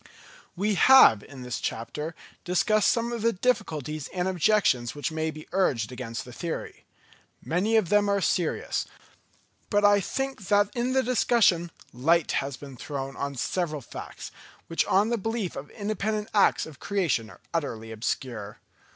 _ We have in this chapter discussed some of the difficulties and objections which may be urged against the theory. Many of them are serious; but I think that in the discussion light has been thrown on several facts, which on the belief of independent acts of creation are utterly obscure.